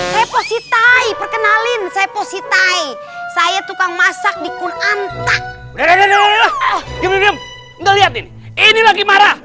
hai reposi tai perkenalin saya posi tai saya tukang masak di kunantang ini lagi marah